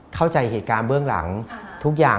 เข้าใจเหตุการณ์เบื้องหลังทุกอย่าง